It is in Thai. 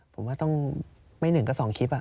ผมว่าต้องไม่หนึ่งก็สองคลิปแหละ